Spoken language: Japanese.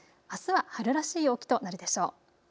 あすは春らしい陽気となるでしょう。